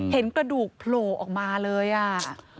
เห็นกระดูกโผล่ออกมาเลยอ่ะ